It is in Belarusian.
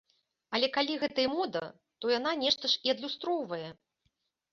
Але калі гэта і мода, то яна нешта ж і адлюстроўвае.